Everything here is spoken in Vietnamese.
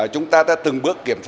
chúng ta đã từng bước kiểm tra